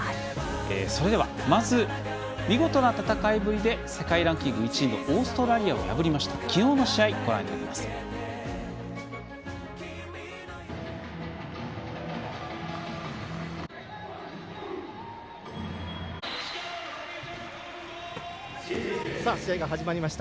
それでは、まず見事な戦いぶりで世界ランキング１位のオーストラリアを破りましたきのうの試合ご覧いただきます。